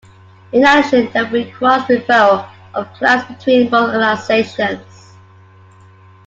In addition there will be cross-referral of clients between both organisations.